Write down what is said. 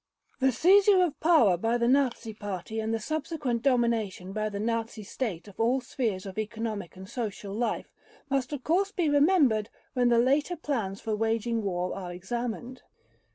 The seizure of power by the Nazi Party, and the subsequent domination by the Nazi State of all spheres of economic and social life must of course be remembered when the later plans for waging war are examined.